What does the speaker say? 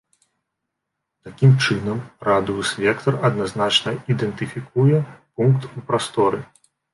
Такім чынам, радыус-вектар адназначна ідэнтыфікуе пункт у прасторы.